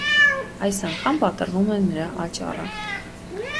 Այս անգամ պատռվում է նրա աճառը։